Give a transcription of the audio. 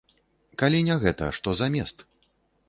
Калі не гэта, што замест?